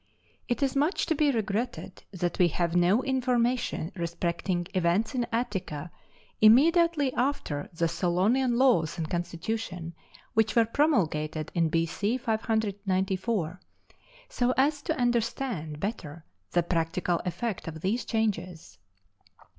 It is much to be regretted that we have no information respecting events in Attica immediately after the Solonian laws and constitution, which were promulgated in B.C. 594, so as to understand better the practical effect of these changes.